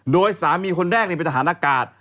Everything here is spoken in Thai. โดยสามีคนแรกในประธานกาศ